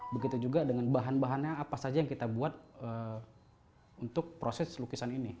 begitu juga dengan bahan bahannya apa saja yang kita buat untuk proses lukisan ini